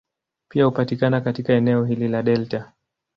Pia hupatikana katika eneo hili la delta.